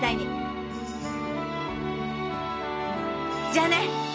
じゃあね！